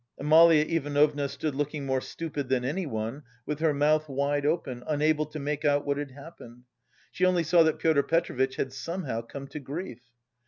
Amalia Ivanovna stood looking more stupid than anyone, with her mouth wide open, unable to make out what had happened. She only saw that Pyotr Petrovitch had somehow come to grief.